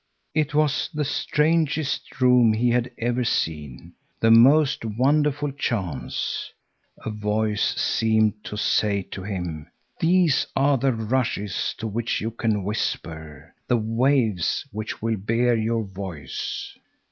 It was the strangest room he had ever seen, the most wonderful chance. A voice seemed to say to him: "These are the rushes to which you can whisper, the waves which will bear your voice."